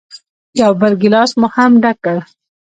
یو بل ګیلاس مو هم ډک کړ.